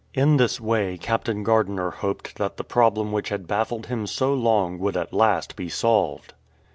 In this way Captain Gardiner hoped that the problem which had baffled him so long would at last be solved.